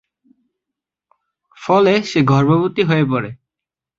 ফলে সে গর্ভবতী হয়ে পড়ে।